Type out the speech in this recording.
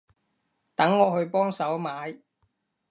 等我去幫手買